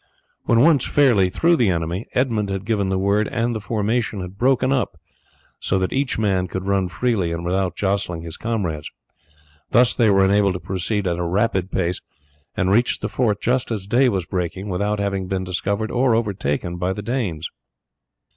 When once fairly through the enemy, Edmund had given the word and the formation had broken up, so that each man could run freely and without jostling his comrades. Thus they were enabled to proceed at a rapid pace, and reached the fort just as day was breaking, without having been discovered or overtaken by the Danes.